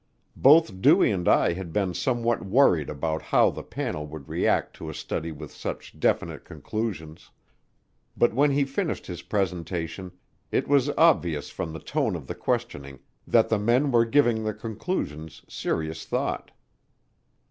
Both Dewey and I had been somewhat worried about how the panel would react to a study with such definite conclusions. But when he finished his presentation, it was obvious from the tone of the questioning that the men were giving the conclusions serious thought.